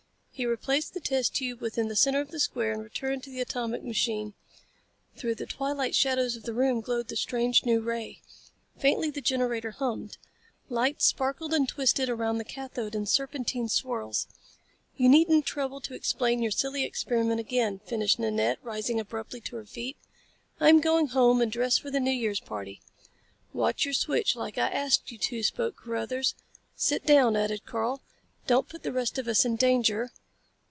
He replaced the test tube within the center of the square and returned to the atomic machine. Through the twilight shadows of the room glowed the strange new ray. Faintly the generator hummed. Lights sparkled and twisted around the cathode in serpentine swirls. "You needn't trouble to explain your silly experiment again," finished Nanette, rising abruptly to her feet. "I'm going home and dress for the New Year's party." "Watch your switch like I asked you to," spoke Carruthers. "Sit down," added Karl. "Don't put the rest of us in danger!"